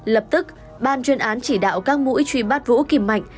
lập tức ban chuyên án chỉ đạo các mũi truy bắt vũ kim mạnh